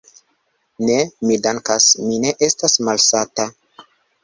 Ne, mi dankas, mi ne estas malsata.